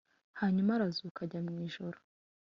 hanyum’arazuka ajya mw’ijuru.